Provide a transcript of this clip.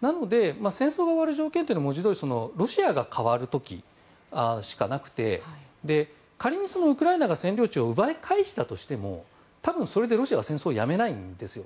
なので戦争が終わる条件というのは文字どおりロシアが変わる時しかなくて仮にウクライナが占領地を奪い返したとしても多分それでロシアは戦争をやめないんですヨ。